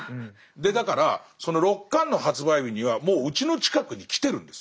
だからその６巻の発売日にはもううちの近くに来てるんです。